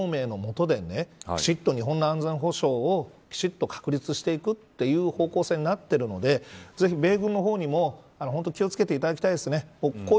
これは日米同盟のもとできちっと日本の安全保障を確立していくという方向性になってるのでぜひ米軍の方にも本当に気を付けていただきたいですね。